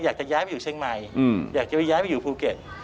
อยากจะย้ายไปอยู่เชียงใหม่อยากจะไปย้ายไปอยู่ภูเก็ต